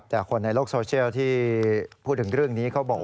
แต่คนในโลกโซเชียลที่พูดถึงเรื่องนี้เขาบอก